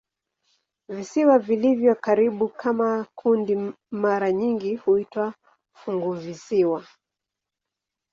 Visiwa vilivyo karibu kama kundi mara nyingi huitwa "funguvisiwa".